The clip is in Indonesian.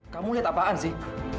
kamu lihat apaan sih